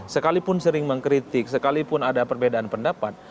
sekalipun sering mengkritik sekalipun ada perbedaan pendapat